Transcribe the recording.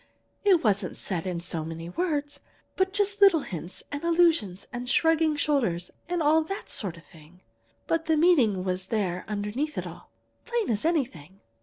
It wasn't said in so many words, but just little hints and allusions and shrugging shoulders and all that sort of thing. But the meaning was there underneath it all, as plain as anything.